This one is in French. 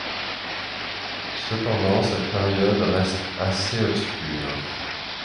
Cependant cette période reste assez obscure.